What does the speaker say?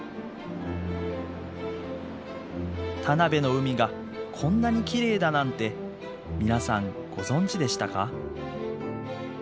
田辺の海がこんなにきれいだなんて皆さんご存じでしたか？